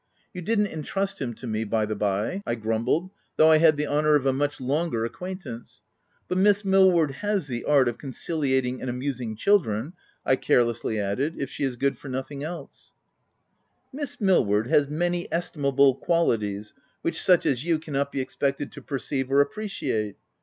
You did'nt intrust him to me, by the OF WfLDFELL HALL. 13 5 by,'* I grumbled, " though I had the honour of a much longer acquaintance ; but Miss Mil ward has the art of conciliating and amusing children/' I carelessly added, u if she is good for nothing else/' M Miss Millward has many estimable qualities, which such as you cannot be expected to per ceive or appreciate.